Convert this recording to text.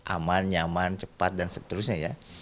aman nyaman cepat dan seterusnya ya